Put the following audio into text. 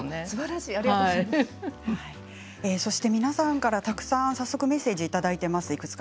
皆さんから早速たくさんメッセージをいただいています。